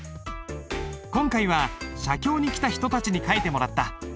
今回は写経に来た人たちに書いてもらった。